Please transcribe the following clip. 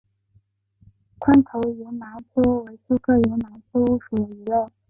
宽头云南鳅为鳅科云南鳅属的鱼类。